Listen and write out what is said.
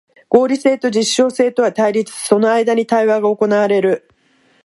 合理性と実証性とは対立し、その間に対話が行われる。